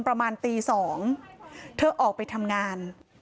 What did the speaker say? ประมาณตี๒เธอออกไปทำงาน